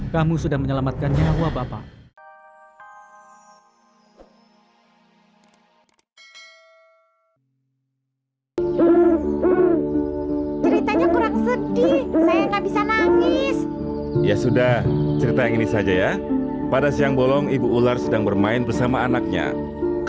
kamu sudah menyelamatkan nyawa bapak